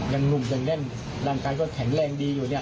อย่างในร่างกายก็แข็งแรงดีอยู่เนี่ย